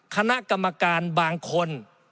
คณะกรรมการบางคน